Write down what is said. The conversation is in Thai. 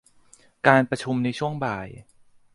การประชุมในช่วงบ่าย